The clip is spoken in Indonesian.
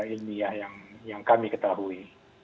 ilmiah yang kami ketahui